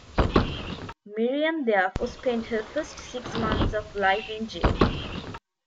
Miriam therefore spent her first six months of life in jail.